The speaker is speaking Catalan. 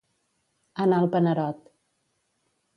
Anar al panerot.